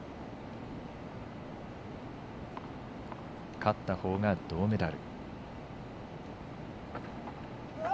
勝ったほうが銅メダル。